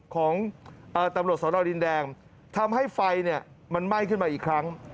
ของตำรวจสนดินแดงทำให้ไฟมันไหม้ขึ้นมาอีกครั้ง